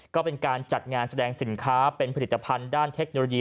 ก็เป็นการจัดงานแสดงสินค้าเป็นผลิตภัณฑ์ด้านเทคโนโลยี